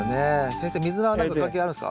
先生ミズナは何か関係あるんですか？